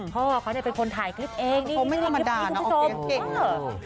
พ่อเขาเนี่ยเป็นคนถ่ายคลิปเองเขาไม่ธรรมดานะเสียงเก่ง